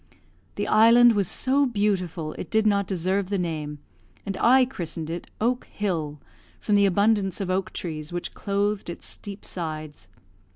The island was so beautiful, it did not deserve the name, and I christened it "Oak Hill," from the abundance of oak trees which clothed its steep sides.